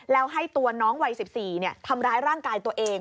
แล้วให้ตัวน้องวัย๑๔ทำร้ายร่างกายตัวเอง